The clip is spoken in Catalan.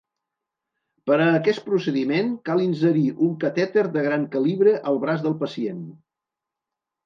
Per a aquest procediment, cal inserir un catèter de gran calibre al braç del pacient.